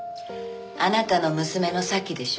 あなたの娘の沙希でしょ。